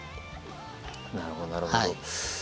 なるほどなるほど。